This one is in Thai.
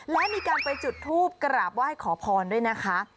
และมีการไปจุดทูปกราบไหว้ขอพรด้วยนะคะ